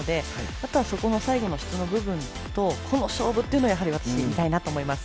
あとは、そこの最後の質の部分と個の勝負を見たいなと思います。